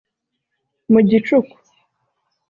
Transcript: Mu gicuku